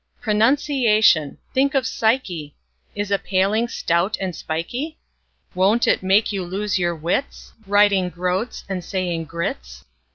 Pronunciation—think of psyche!— Is a paling, stout and spikey; Won't it make you lose your wits, Writing "groats" and saying groats?